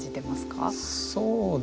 そうですね。